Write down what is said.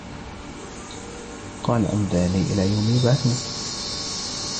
قَالَ أَنْظِرْنِي إِلَى يَوْمِ يُبْعَثُونَ